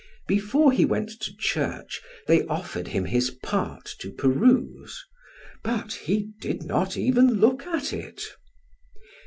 Before he went to church they offered him his part to peruse, but he did not even look at it.